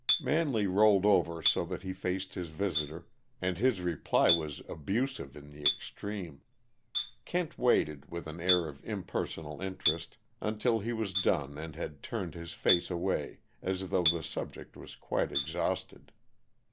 Manley rolled over so that he faced his visitor, and his reply was abusive in the extreme. Kent waited, with an air of impersonal interest, until he was done and had turned his face away as though the subject was quite exhausted.